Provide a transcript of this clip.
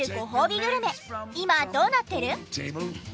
今どうなってる？